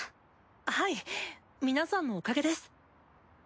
ハイ皆さんのおかげです。